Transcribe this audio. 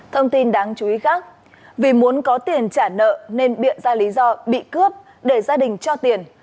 thông tin đáng chú ý khác vì muốn có tiền trả nợ nên biện ra lý do bị cướp để gia đình cho tiền